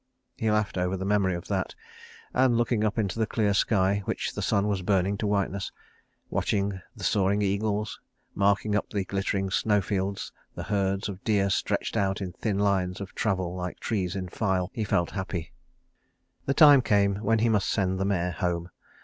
He laughed over the memory of that, and looking up into the clear sky, which the sun was burning to whiteness, watching the soaring eagles, marking up the glittering snowfields the herds of deer stretched out in thin lines of travel like trees in file, he felt happy. The time came when he must send the mare home.